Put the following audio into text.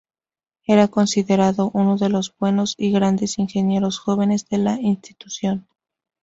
Era considerado "uno de los buenos y grandes ingenieros jóvenes de la institución".